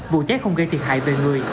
vụ cháy không gây thiệt hại về người